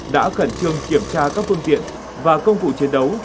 đã khẩn trương kiểm tra các phương tiện và công cụ chiến đấu